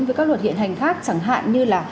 với các luật hiện hành khác chẳng hạn như là